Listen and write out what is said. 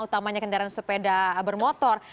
utamanya kendaraan sepeda bermotor